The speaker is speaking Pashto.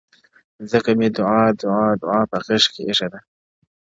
• ځكه مي دعا؛ دعا؛ دعا په غېږ كي ايښې ده؛